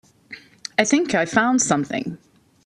I think I found something.